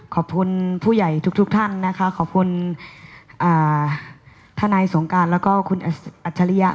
ขอบคุณผู้ใหญ่ทุกท่านนะคะขอบคุณทนายสงการแล้วก็คุณอัจฉริยะ